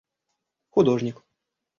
художник